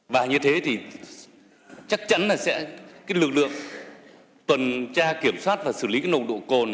và như thế thì chắc chắn là sẽ lực lượng tuần tra kiểm soát và xử lý nồng độ cồn